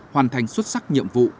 hoàn thành xuất sắc nhiệm vụ